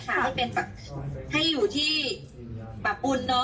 ไม่เป็นแบบให้อยู่ที่บับปุ่นนะ